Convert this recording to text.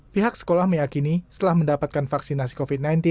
pihak sekolah meyakini setelah mendapatkan vaksinasi covid sembilan belas